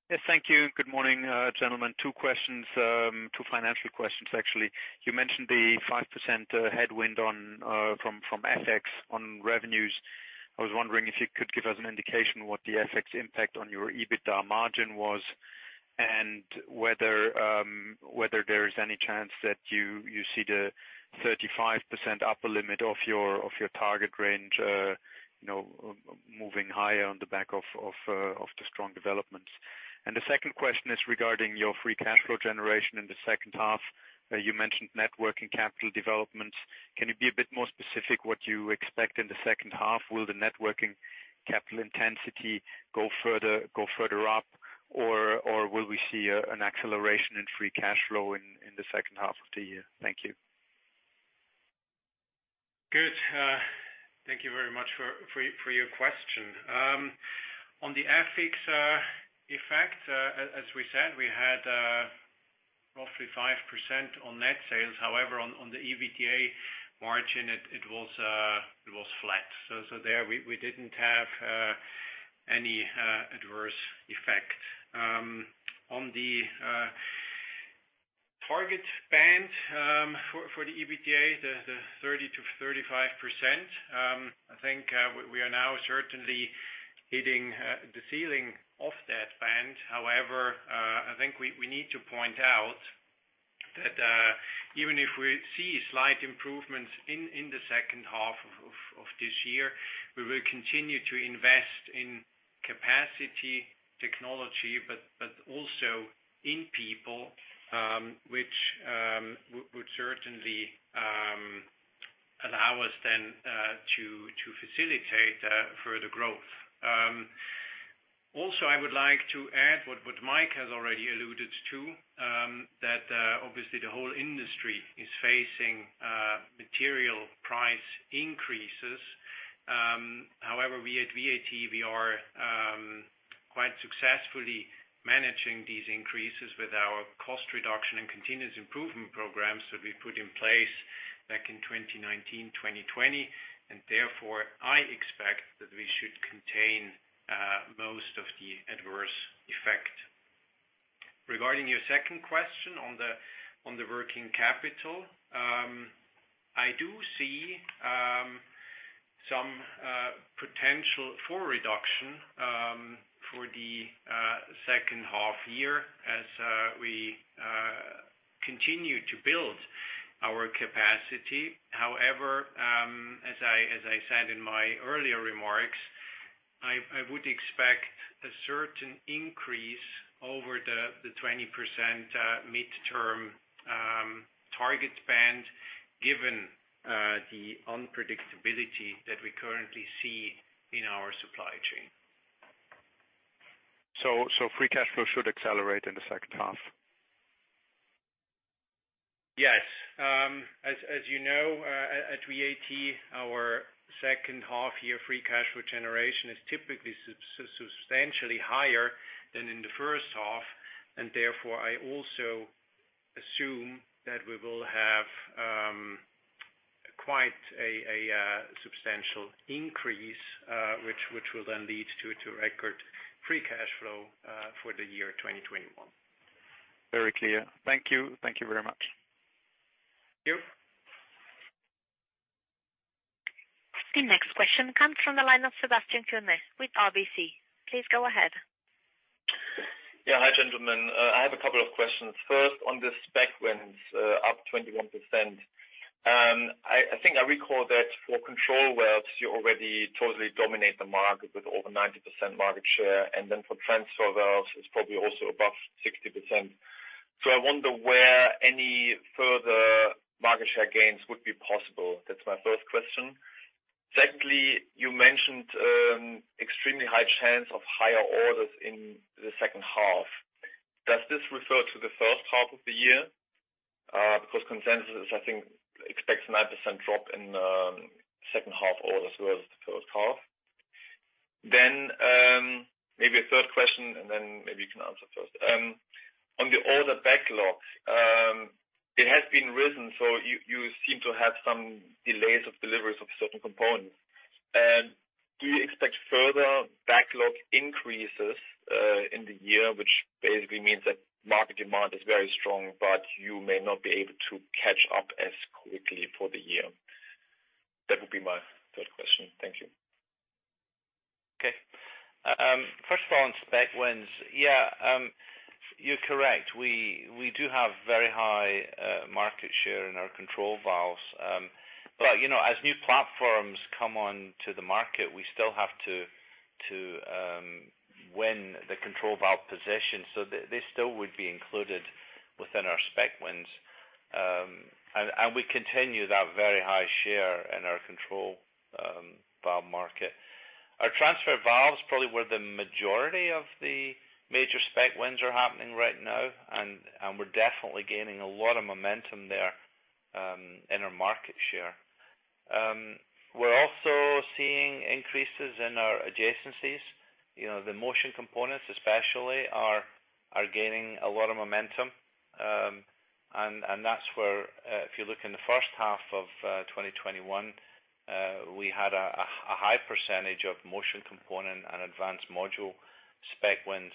Yes, thank you. Good morning, gentlemen. Two financial questions, actually. You mentioned the 5% headwind from FX on revenues. I was wondering if you could give us an indication what the FX impact on your EBITDA margin was, and whether there is any chance that you see the 35% upper limit of your target range moving higher on the back of the strong developments. The second question is regarding your free cash flow generation in the second half. You mentioned net working capital developments. Can you be a bit more specific what you expect in the second half? Will the net working capital intensity go further up, or will we see an acceleration in free cash flow in the second half of the year? Thank you. Good. Thank you very much for your question. On the FX effect, as we said, we had roughly 5% on net sales. On the EBITDA margin, it was flat. There, we didn't have any adverse effect. On the target band for the EBITDA, the 30%-35%, I think we are now certainly hitting the ceiling of that band. I think we need to point out that even if we see slight improvements in the second half of this year, we will continue to invest in capacity technology, but also in people, which would certainly allow us then to facilitate further growth. I would like to add what Mike has already alluded to, that obviously the whole industry is facing material price increases. However, we at VAT are quite successfully managing these increases with our cost reduction and continuous improvement programs that we put in place back in 2019, 2020. Therefore, I expect that we should contain most of the adverse effect. Regarding your second question on the working capital, I do see some potential for reduction for the second half year as we continue to build our capacity. However, as I said in my earlier remarks, I would expect a certain increase over the 20% midterm target band given the unpredictability that we currently see in our supply chain. Free cash flow should accelerate in the second half? Yes. As you know at VAT, our second half year free cash flow generation is typically substantially higher than in the first half, therefore, I also assume that we will have quite a substantial increase, which will then lead to a record free cash flow for the year 2021. Very clear. Thank you. Thank you very much. Thank you. The next question comes from the line of Sebastian Kuenne with RBC. Please go ahead. Yeah. Hi, gentlemen. I have a couple of questions. First, on the spec wins up 21%. I think I recall that for control valves, you already totally dominate the market with over 90% market share, and then for transfer valves, it's probably also above 60%. I wonder where any further market share gains would be possible. That's my first question. Secondly, you mentioned extremely high chance of higher orders in the second half. Does this refer to the first half of the year? Consensus, I think, expects a 9% drop in second half orders versus the first half. Maybe a third question, and then maybe you can answer the first. On the order backlogs, it has been risen, you seem to have some delays of deliveries of certain components. Do you expect further backlog increases in the year, which basically means that market demand is very strong, but you may not be able to catch up as quickly for the year? That would be my third question. Thank you. Okay. First of all, on spec wins. Yeah, you're correct. We do have very high market share in our control valves. As new platforms come on to the market, we still have to win the control valve position. They still would be included within our spec wins. We continue that very high share in our control valve market. Our transfer valves probably where the majority of the major spec wins are happening right now, and we're definitely gaining a lot of momentum there in our market share. We're also seeing increases in our adjacencies. The motion components, especially, are gaining a lot of momentum. That's where, if you look in the first half of 2021, we had a high percentage of motion component and advanced modules spec wins.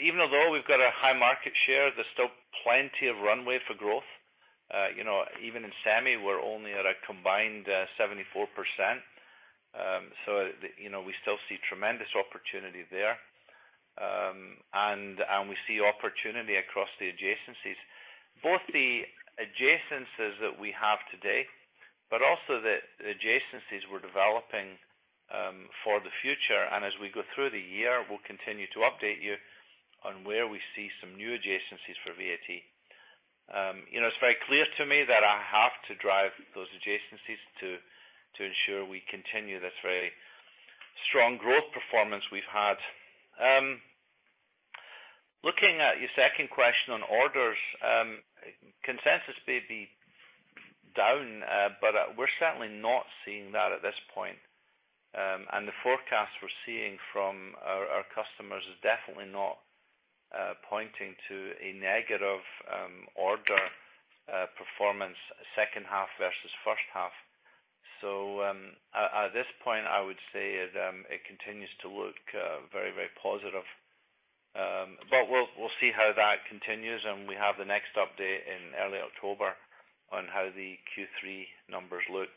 Even although we've got a high market share, there's still plenty of runway for growth. Even in semi, we're only at a combined 74%. We still see tremendous opportunity there. We see opportunity across the adjacencies. Both the adjacencies that we have today, but also the adjacencies we're developing for the future. As we go through the year, we'll continue to update you on where we see some new adjacencies for VAT. It's very clear to me that I have to drive those adjacencies to ensure we continue this very strong growth performance we've had. Looking at your second question on orders, consensus may be down, but we're certainly not seeing that at this point. The forecast we're seeing from our customers is definitely not pointing to a negative order performance second half versus first half. At this point, I would say it continues to look very, very positive. We'll see how that continues, and we have the next update in early October on how the Q3 numbers look.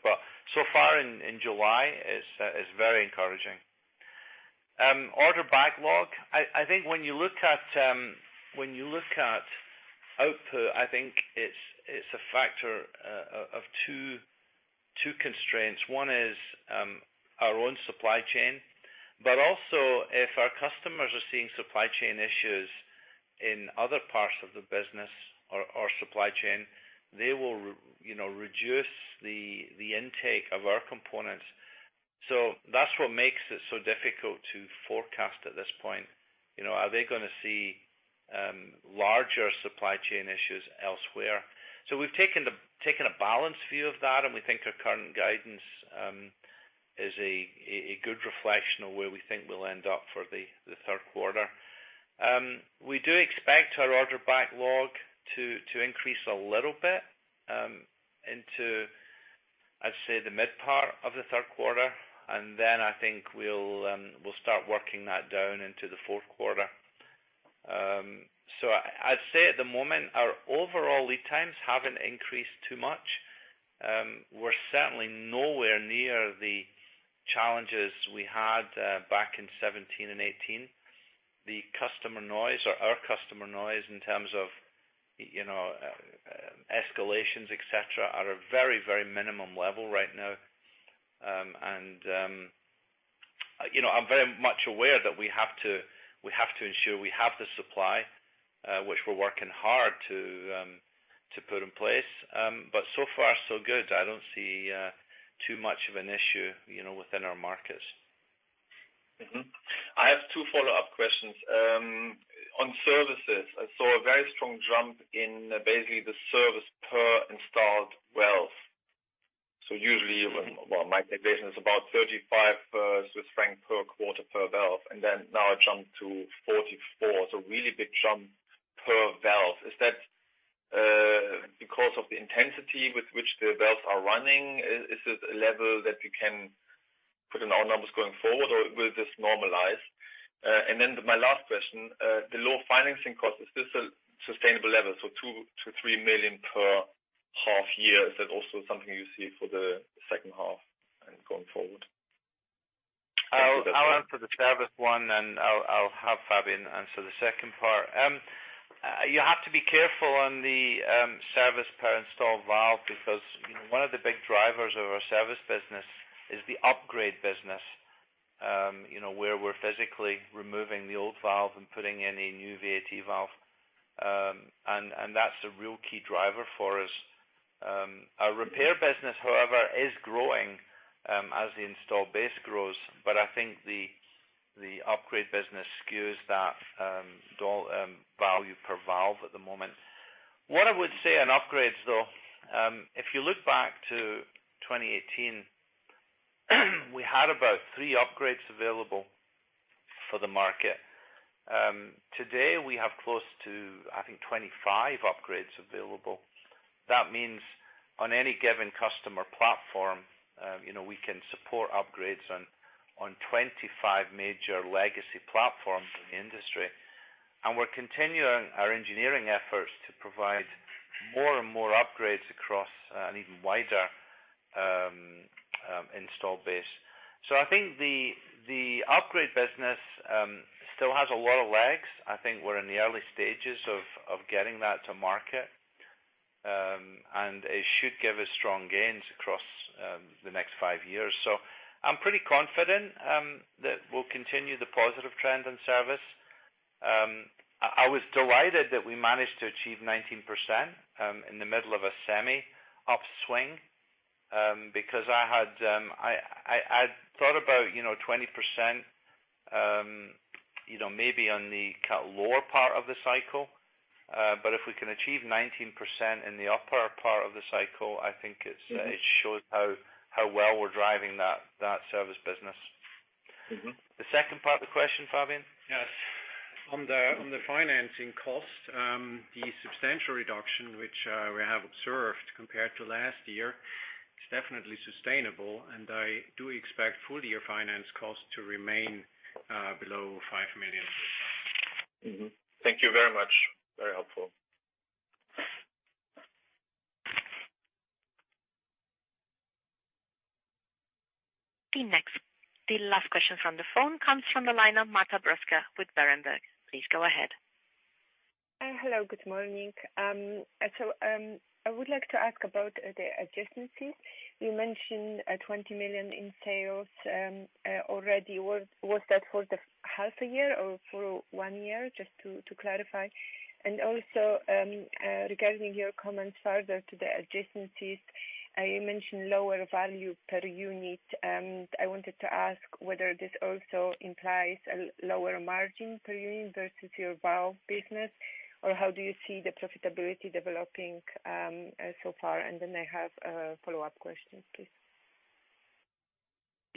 So far in July, it's very encouraging. Order backlog. I think when you look at output, it's a factor of two constraints. One is our own supply chain, but also if our customers are seeing supply chain issues in other parts of the business or supply chain, they will reduce the intake of our components. That's what makes it so difficult to forecast at this point. Are they going to see larger supply chain issues elsewhere? We've taken a balanced view of that, and we think our current guidance is a good reflection of where we think we'll end up for the third quarter. We do expect our order backlog to increase a little bit into, I'd say, the mid part of the third quarter, then I think we'll start working that down into the fourth quarter. I'd say at the moment, our overall lead times haven't increased too much. We're certainly nowhere near the challenges we had back in 2017 and 2018. The customer noise or our customer noise in terms of escalations, et cetera, are at a very, very minimum level right now. I'm very much aware that we have to ensure we have the supply, which we're working hard to put in place. So far, so good. I don't see too much of an issue within our markets. I have two follow-up questions. On services, I saw a very strong jump in basically the service per installed valve. Usually, well, my calculation is about 35 Swiss franc per quarter per valve, and then now a jump to 44. Really big jump per valve. Is that because of the intensity with which the valves are running? Is it a level that you can put in our numbers going forward, or will this normalize? My last question, the low financing cost, is this a sustainable level? 2 million-3 million per half year. Is that also something you see for the second half and going forward? I'll answer the service one, and I'll have Fabian answer the second part. You have to be careful on the service per installed valve because one of the big drivers of our service business is the upgrade business, where we're physically removing the old valve and putting in a new VAT valve. That's a real key driver for us. Our repair business, however, is growing as the installed base grows, but I think the upgrade business skews that value per valve at the moment. What I would say on upgrades, though, if you look back to 2018, we had about three upgrades available for the market. Today, we have close to, I think, 25 upgrades available. That means on any given customer platform, we can support upgrades on 25 major legacy platforms in the industry. We're continuing our engineering efforts to provide more and more upgrades across an even wider installed base. I think the upgrade business still has a lot of legs. I think we're in the early stages of getting that to market. It should give us strong gains across the next five years. I'm pretty confident that we'll continue the positive trend in service. I was delighted that we managed to achieve 19% in the middle of a semi upswing, because I had thought about 20% maybe on the lower part of the cycle. If we can achieve 19% in the upper part of the cycle, I think it shows how well we're driving that service business. The second part of the question, Fabian? Yes. On the financing cost, the substantial reduction which we have observed compared to last year is definitely sustainable, and I do expect full-year finance cost to remain below 5 million. Mm-hmm. Thank you very much. Very helpful. The last question from the phone comes from the line of Marta Bruska with Berenberg. Please go ahead. Hello, good morning. I would like to ask about the adjacencies. You mentioned 20 million in sales already. Was that for the half a year or for one year, just to clarify? Regarding your comments further to the adjacencies, you mentioned lower value per unit. I wanted to ask whether this also implies a lower margin per unit versus your valve business, or how do you see the profitability developing so far? I have a follow-up question, please.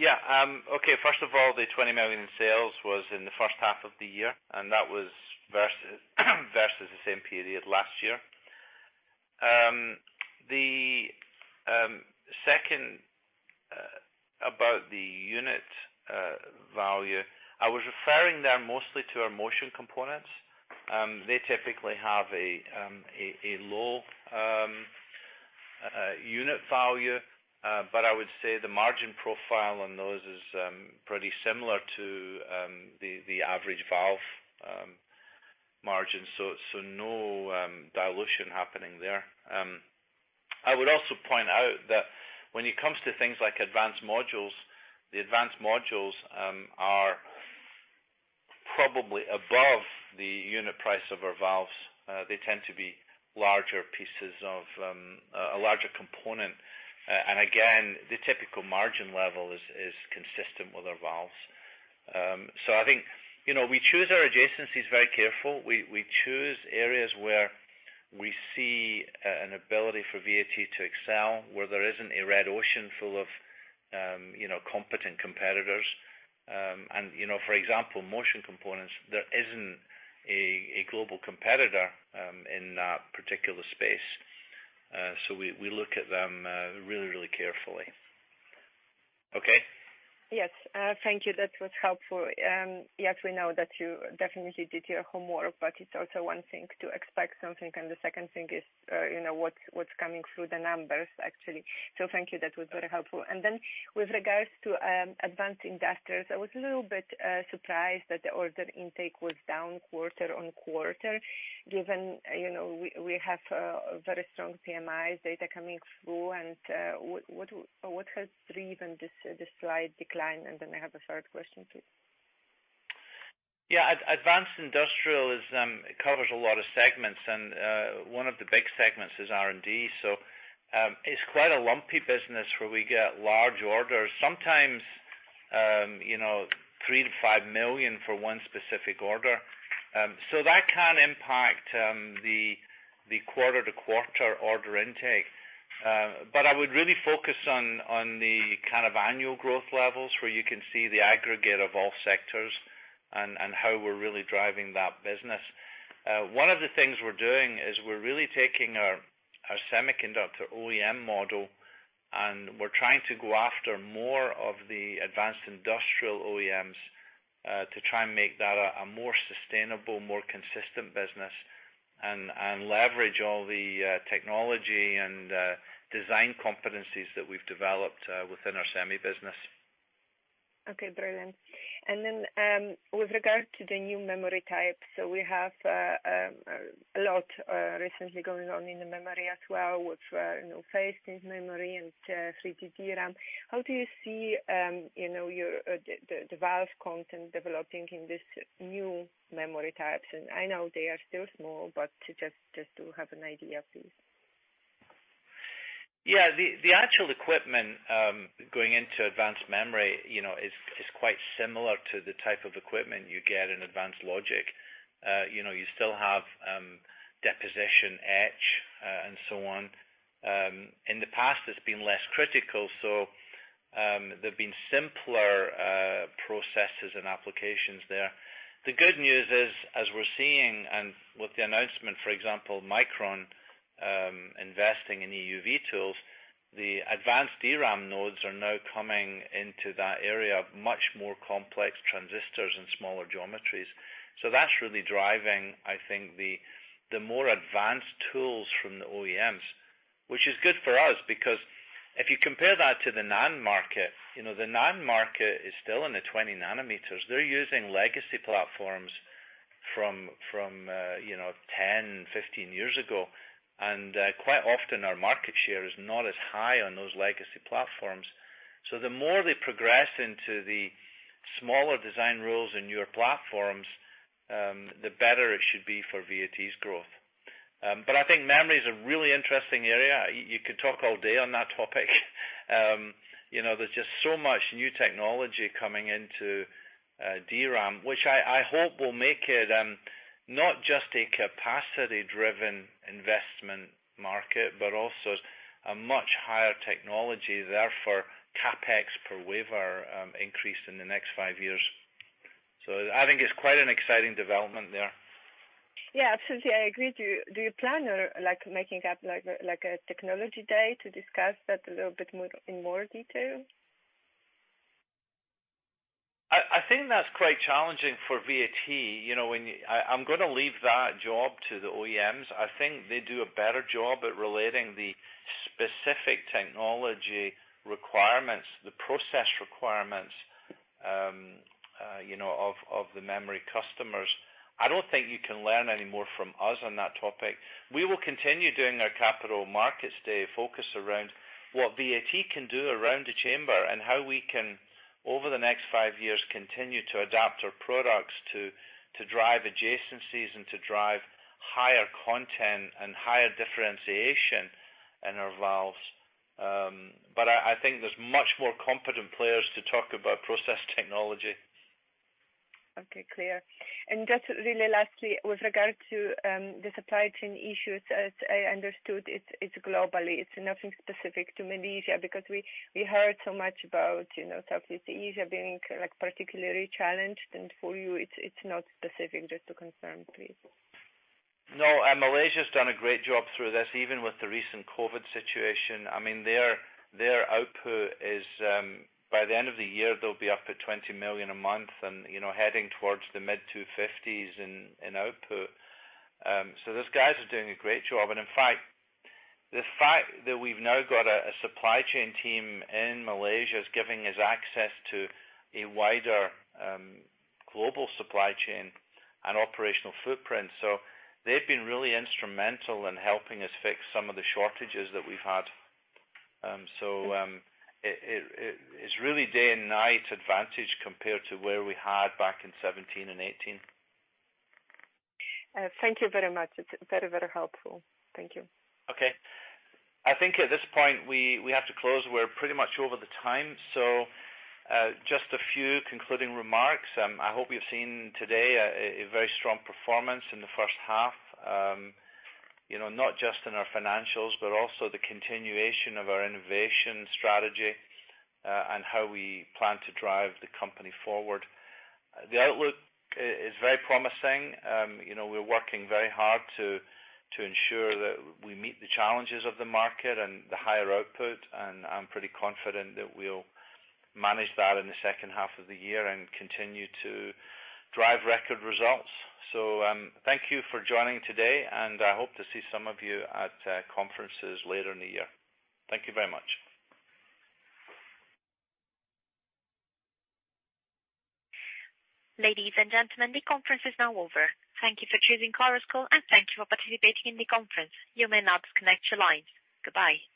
Okay. First of all, the 20 million in sales was in the first half of the year, and that was versus the same period last year. The second about the unit value, I was referring there mostly to our motion components. They typically have a low unit value. I would say the margin profile on those is pretty similar to the average valve margin. No dilution happening there. I would also point out that when it comes to things like advanced modules, the advanced modules are probably above the unit price of our valves. They tend to be a larger component. Again, the typical margin level is consistent with our valves. I think we choose our adjacencies very careful. We choose areas where we see an ability for VAT to excel, where there isn't a red ocean full of competent competitors. For example, motion components, there isn't a global competitor in that particular space. We look at them really carefully. Okay? Yes. Thank you. That was helpful. Yes, we know that you definitely did your homework, but it's also one thing to expect something, and the second thing is what's coming through the numbers, actually. Thank you. That was very helpful. With regards to advanced industrials, I was a little bit surprised that the order intake was down quarter-on-quarter, given we have a very strong PMI data coming through and what has driven this slight decline? I have a third question, please. Yeah. Advanced industrial, it covers a lot of segments and one of the big segments is R&D. It's quite a lumpy business where we get large orders, sometimes 3 million-5 million for one specific order. That can impact the quarter-to-quarter order intake. I would really focus on the kind of annual growth levels where you can see the aggregate of all sectors and how we're really driving that business. One of the things we're doing is we're really taking our semiconductor OEM model, and we're trying to go after more of the advanced industrial OEMs to try and make that a more sustainable, more consistent business and leverage all the technology and design competencies that we've developed within our semi business. Okay, brilliant. With regard to the new memory types, we have a lot recently going on in the memory as well with phase-change memory and 3D DRAM. How do you see the valve content developing in these new memory types? I know they are still small, just to have an idea, please. The actual equipment going into advanced memory is quite similar to the type of equipment you get in advanced logic. You still have deposition etch and so on. In the past, it's been less critical, so there have been simpler processes and applications there. The good news is, as we're seeing and with the announcement, for example, Micron investing in EUV tools, the advanced DRAM nodes are now coming into that area of much more complex transistors and smaller geometries. That's really driving, I think, the more advanced tools from the OEMs, which is good for us because if you compare that to the NAND market, the NAND market is still in the 20 nm. They're using legacy platforms from 10, 15 years ago. Quite often our market share is not as high on those legacy platforms. The more they progress into the smaller design rules and newer platforms, the better it should be for VAT's growth. I think memory is a really interesting area. You could talk all day on that topic. There's just so much new technology coming into DRAM, which I hope will make it, not just a capacity-driven investment market, but also a much higher technology. Therefore, CapEx per wafer increase in the next five years. I think it's quite an exciting development there. Yeah, absolutely. I agree. Do you plan on making up a technology day to discuss that a little bit in more detail? I think that's quite challenging for VAT. I'm going to leave that job to the OEMs. I think they do a better job at relating the specific technology requirements, the process requirements of the memory customers. I don't think you can learn any more from us on that topic. We will continue doing our Capital Markets Day focus around what VAT can do around the chamber and how we can, over the next five years, continue to adapt our products to drive adjacencies and to drive higher content and higher differentiation in our valves. I think there's much more competent players to talk about process technology. Okay, clear. Just really lastly, with regard to the supply chain issues, as I understood it's global. It's nothing specific to Malaysia because we heard so much about Southeast Asia being particularly challenged and for you it's not specific. Just to confirm, please? No, Malaysia has done a great job through this, even with the recent COVID-19 situation. Their output is, by the end of the year, they'll be up at 20 million a month and heading towards the mid-250s in output. Those guys are doing a great job. In fact, the fact that we've now got a supply chain team in Malaysia is giving us access to a wider global supply chain and operational footprint. They've been really instrumental in helping us fix some of the shortages that we've had. It's really day and night advantage compared to where we had back in 2017 and 2018. Thank you very much. It's very helpful. Thank you. Okay. I think at this point we have to close. We're pretty much over the time. Just a few concluding remarks. I hope you've seen today a very strong performance in the first half. Not just in our financials, but also the continuation of our innovation strategy and how we plan to drive the company forward. The outlook is very promising. We're working very hard to ensure that we meet the challenges of the market and the higher output, and I'm pretty confident that we'll manage that in the second half of the year and continue to drive record results. Thank you for joining today, and I hope to see some of you at conferences later in the year. Thank you very much. Ladies and gentlemen, the conference is now over. Thank you for choosing Chorus Call and thank you for participating in the conference. You may now disconnect your lines. Goodbye.